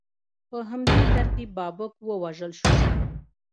په همدې ترتیب بابک ووژل شو.